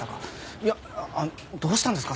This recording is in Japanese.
いやどうしたんですか？